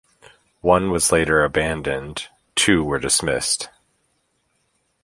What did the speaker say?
One was later abandoned, two were dismissed.